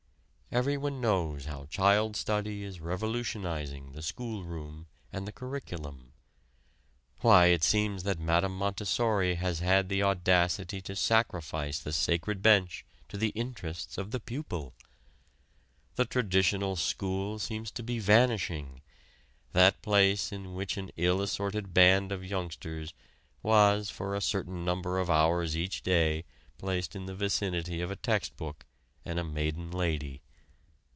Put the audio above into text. Everyone knows how child study is revolutionizing the school room and the curriculum. Why, it seems that Mme. Montessori has had the audacity to sacrifice the sacred bench to the interests of the pupil! The traditional school seems to be vanishing that place in which an ill assorted band of youngsters was for a certain number of hours each day placed in the vicinity of a text book and a maiden lady.